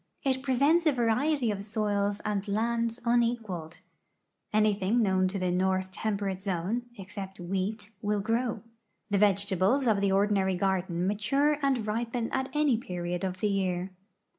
It presents a variety of soils and lands unequaled. Anything known to the north temperate zone, except wheat, will grow. The vegetables of the ordinary garden mature and ripen at any period of the year.